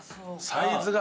サイズが。